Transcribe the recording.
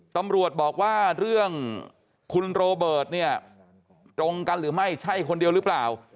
ตำรวจบอกว่าเรื่องคุณโรเบิร์ตเนี่ยตรงกันหรือไม่ใช่คนเดียวหรือเปล่า